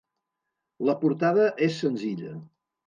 La portada és senzilla.